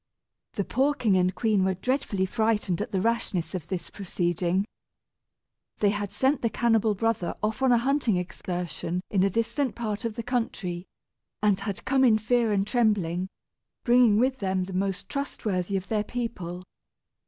The poor king and queen were dreadfully frightened at the rashness of this proceeding. They had sent the cannibal brother off on a hunting excursion in a distant part of the country, and had come in fear and trembling, bringing with them the most trustworthy of their people.